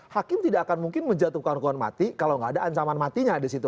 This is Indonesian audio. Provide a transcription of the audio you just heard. hakim tidak akan mungkin menjatuhkan hukuman mati kalau nggak ada ancaman matinya di situ